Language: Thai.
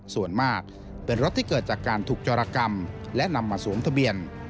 ส่วนมากเป็นรถที่เกิดจากการถูกจรกรรมและนำมาสวมทะเบียน